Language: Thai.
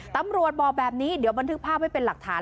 ตำรวจบอกแบบนี้เดี๋ยวบันทึกภาพไว้เป็นหลักฐาน